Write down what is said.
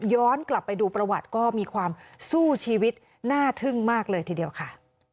กลับไปดูประวัติก็มีความสู้ชีวิตน่าทึ่งมากเลยทีเดียวค่ะ